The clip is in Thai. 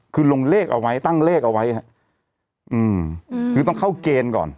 คือลงเลขเอาไว้ตั้งเลขเอาไว้ฮะอืมคือต้องเข้าเกณฑ์ก่อน